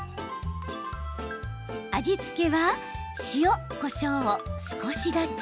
味付けは塩、こしょうを少しだけ。